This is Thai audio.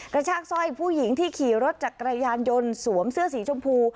กระชากสร้อยผู้หญิงที่ขี่รถจักรยานยนต์สวมเสื้อสีชมพู